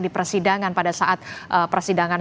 di persidangan pada saat persidangan